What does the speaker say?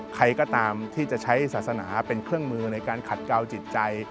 ใครก็ตามที่จะใช้ศาสนาเป็นเครื่องมือในการขัดเกาจิตใจ